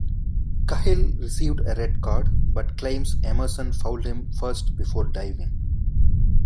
Cahill received a red card, but claims Emerson fouled him first before diving.